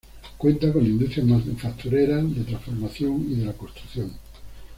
Cuenta con industrias manufactureras, de transformación y de la construcción.